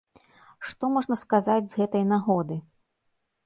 Што можна сказаць з гэтай нагоды?